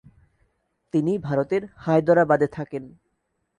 তিনি ভারতের হায়দরাবাদে থাকেন।